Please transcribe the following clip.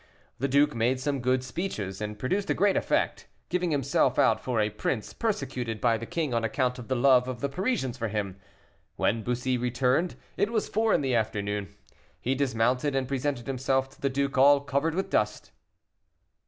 The duke made some good speeches, and produced a great effect, giving himself out for a prince persecuted by the king on account of the love of the Parisians for him. When Bussy returned, it was four in the afternoon; he dismounted, and presented himself to the duke all covered with dust.